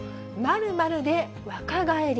○○で若返り。